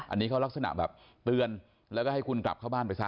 อันนี้เขาลักษณะแบบเตือนแล้วก็ให้คุณกลับเข้าบ้านไปซะ